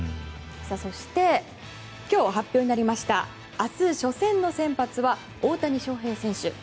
そして、今日発表になりました明日初戦の先発は大谷翔平選手。